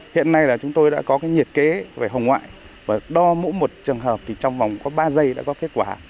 hiện nay là chúng tôi đã có cái nhiệt kế về hồng ngoại và đo mỗi một trường hợp thì trong vòng có ba giây đã có kết quả